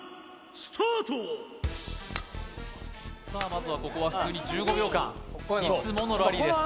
まずはここは普通に１５秒間いつものラリーです